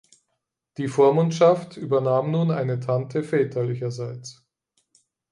Die Vormundschaft übernahm nun eine Tante väterlicherseits.